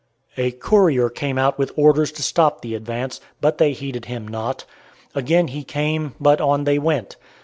A courier came out with orders to stop the advance, but they heeded him not. Again he came, but on they went.